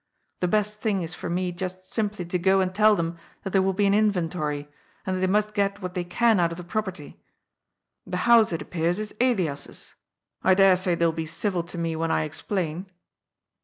The best thing is for me just simply to go and tell them that there will be an inventory, and that they must get what they can out of the proper^. The house, it appears, is Elias's. I dare say they'll be civil to me when I explain."